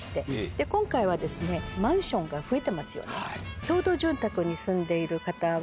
で今回はマンションが増えてますよね。